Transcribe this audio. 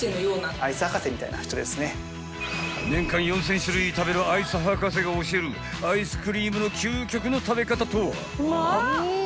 年間４０００種類食べるアイス博士が教えるアイスクリームの究極の食べ方とは？